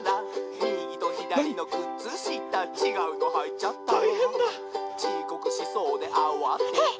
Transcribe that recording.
「みぎとひだりのくつしたちがうのはいちゃった」「ちこくしそうであわてて」